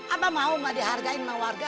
abah mau gak dihargain sama warga